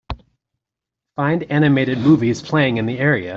Find animated movies playing in the area.